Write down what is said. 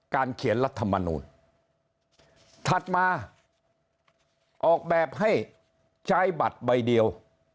เขียนรัฐมนูลถัดมาออกแบบให้ใช้บัตรใบเดียว